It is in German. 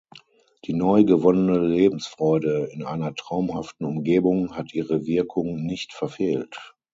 Die neu gewonnene Lebensfreude in einer traumhaften Umgebung hat ihre Wirkung nicht verfehlt.